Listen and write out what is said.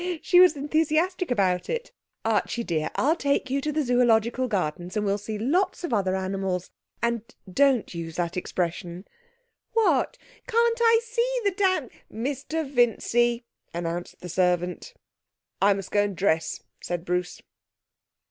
She was enthusiastic about it. Archie dear, I'll take you to the Zoological Gardens and we'll see lots of other animals. And don't use that expression.' 'What! Can't I see the da ' 'Mr Vincy,' announced the servant. 'I must go and dress,' said Bruce.